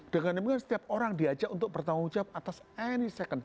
dengan demikian setiap orang diajak untuk bertanggung jawab atas any second